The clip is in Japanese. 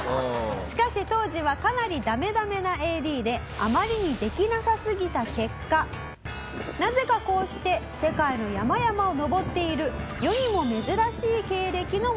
「しかし当時はかなりダメダメなＡＤであまりにできなさすぎた結果なぜかこうして世界の山々を登っている」